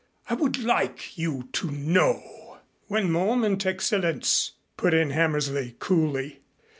I would like you to know " "One moment, Excellenz," put in Hammersley coolly.